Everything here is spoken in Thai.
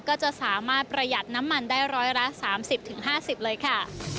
ก็จะสามารถประหยัดน้ำมันได้ร้อยละ๓๐๕๐เลยค่ะ